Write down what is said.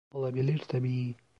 Olabilir tabii.